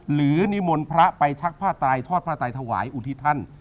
นิมนต์พระไปชักผ้าไตรทอดผ้าไตรถวายอุทิศท่าน